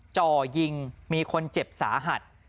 จ่อยิงมีคนเจ็บสาหัส